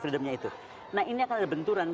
freedomnya itu nah ini akan ada benturan